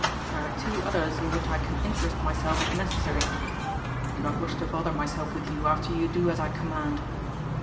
There are two others in which I can interest myself if necessary. I do not wish to bother myself with you after you do as I command.